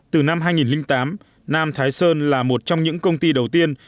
từ năm hai nghìn tám nam thái sơn là một trong những công ty đầu tiên